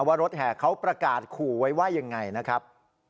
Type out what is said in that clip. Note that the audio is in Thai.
ว่ารถแห่เขาประกาศขู่ไว้ว่ายังไงนะครับ